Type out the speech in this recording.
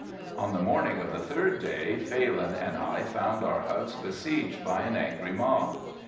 On the morning of the third day Phalin and I found our huts besieged by an angry mob.